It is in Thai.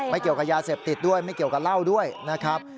เกี่ยวกับยาเสพติดด้วยไม่เกี่ยวกับเหล้าด้วยนะครับ